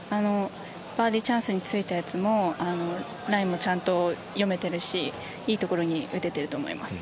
バーディーチャンスについたやつもラインもちゃんと読めているしいい所に打てていると思います。